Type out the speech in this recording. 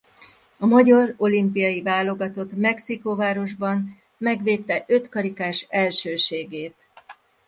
A magyar olimpiai válogatott Mexikóvárosban megvédte ötkarikás elsőségét.